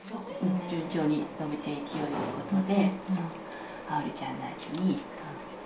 順調に伸びていきゆうということで。